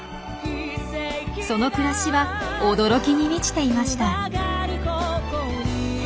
その暮らしは驚きに満ちていました。